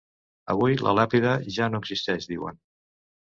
Avui la làpida ja no existeix, diuen.